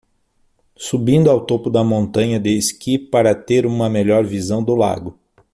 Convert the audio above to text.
Subindo ao topo da montanha de esqui para ter uma melhor visão do lago